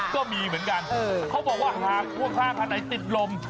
ก็มีเหมือนกันเขาบอกว่าหากพ่วงข้างคันไหนติดลม